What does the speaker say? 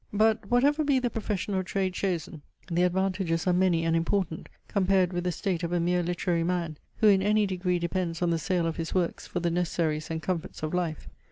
But, whatever be the profession or trade chosen, the advantages are many and important, compared with the state of a mere literary man, who in any degree depends on the sale of his works for the necessaries and comforts of life.